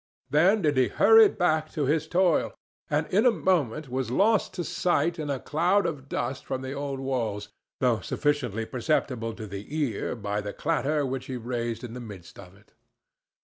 Then did he hurry back to his toil, and in a moment was lost to sight in a cloud of dust from the old walls, though sufficiently perceptible to the ear by the clatter which he raised in the midst of it.